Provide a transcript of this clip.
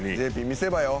ＪＰ見せ場よ。